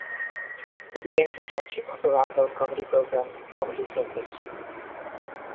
He became the judge of a rival comedy program "Comedy Circus".